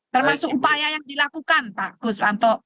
termasuk upaya yang dilakukan pak guswanto